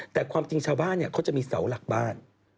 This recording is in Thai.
แต่ความจริงชาวบ้านเขาจะมีเสาหลักบ้าน